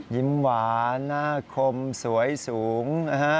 ยิ้มหวานหน้าคมสวยสูงนะฮะ